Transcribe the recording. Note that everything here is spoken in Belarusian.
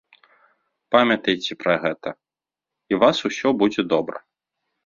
Памятайце пра гэта, і вас усё будзе добра!